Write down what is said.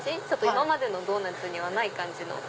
今までのドーナツにはない感じの。